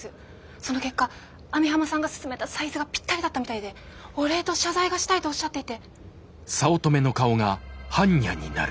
その結果網浜さんが進めたサイズがぴったりだったみたいでお礼と謝罪がしたいとおっしゃっていて。